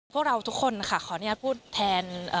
พวกเราทุกคนค่ะขออนุญาตพูดแทน